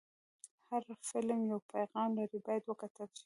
هر فلم یو پیغام لري، باید وکتل شي.